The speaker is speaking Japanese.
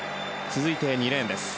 続いて２レーンです。